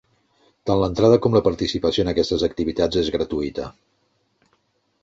Tant l’entrada com la participació en aquestes activitats és gratuïta.